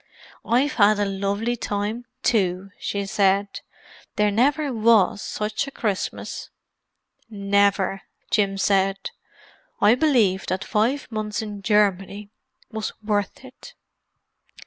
"I've had a lovely time, too!" she said. "There never was such a Christmas!" "Never!" Jim said. "I believe that five months in Germany was worth it."